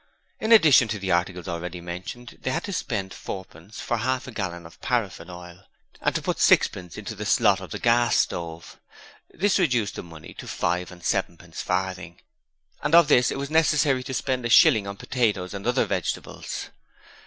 In addition to the articles already mentioned, they had to spend fourpence for half a gallon of paraffin oil, and to put sixpence into the slot of the gas stove. This reduced the money to five and sevenpence farthing, and of this it was necessary to spend a shilling on potatoes and other vegetables.